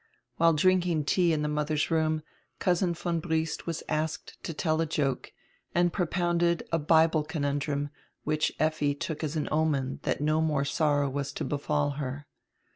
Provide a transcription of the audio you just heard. While drinking tea in the mother's room Cousin von Briest was asked to tell a joke, and propounded a Bible conundrum, which Effi took as an omen diat no more sorrow was to befall her.